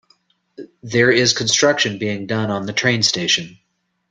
There is construction being done on the train station.